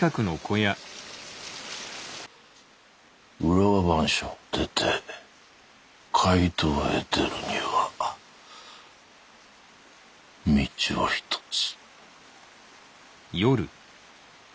浦賀番所を出て街道へ出るには道は一つ。